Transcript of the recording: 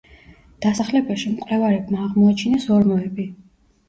დასახლებაში მკვლევარებმა აღმოაჩინეს ორმოები.